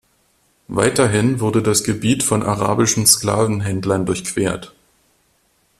Weiterhin wurde das Gebiet von arabischen Sklavenhändlern durchquert.